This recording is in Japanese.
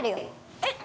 えっ。